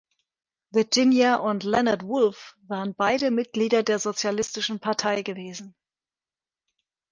Virginia und Leonard Woolf waren beide Mitglieder der Sozialistischen Partei gewesen.